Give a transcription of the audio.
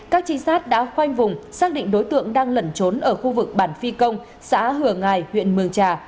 các trinh sát đã khoanh vùng xác định đối tượng đang lẩn trốn ở khu vực bản phi công xã hờ ngài huyện mường trà